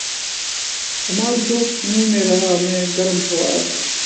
کمال جوش جنوں میں رہا میں گرم طواف